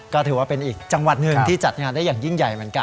ก็ถือว่าเป็นอีกจังหวัดหนึ่งที่จัดงานได้อย่างยิ่งใหญ่เหมือนกัน